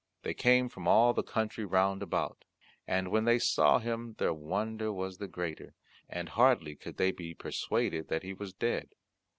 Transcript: They came from all the country round about, and when they saw him their wonder was the greater, and hardly could they be persuaded that he was dead.